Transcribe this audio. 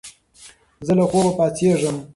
زه له خوبه پاڅېږم.